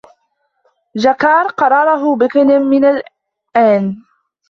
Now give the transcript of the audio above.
چکار قراره بکنم من الان ؟